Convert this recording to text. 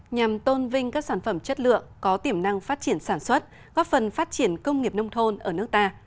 nhằm tôn vinh các sản phẩm chất lượng có tiềm năng phát triển sản xuất góp phần phát triển công nghiệp nông thôn ở nước ta